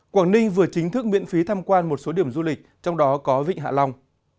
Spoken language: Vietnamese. quảng ninh vừa chính thức miễn phí tham quan một số điểm du lịch trong đó có vịnh hạ long